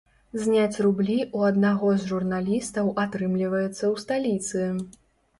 Зняць рублі ў аднаго з журналістаў атрымліваецца ў сталіцы.